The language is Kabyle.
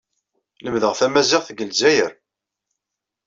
Lemdeɣ tamaziɣt deg Lezzayer.